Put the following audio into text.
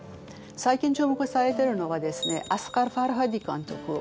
最近注目されているのはですねアスガー・ファルハディ監督。